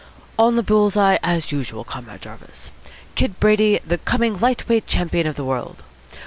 "On the bull's eye, as usual, Comrade Jarvis. Kid Brady, the coming light weight champion of the world.